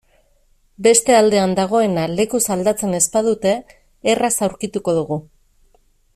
Beste aldean dagoena lekuz aldatzen ez badute erraz aurkituko dugu.